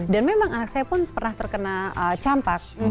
dan memang anak saya pun pernah terkena campak